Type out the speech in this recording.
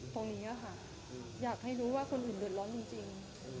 ตรงนี้ค่ะอยากให้รู้ว่าคนอื่นเดือดร้อนจริง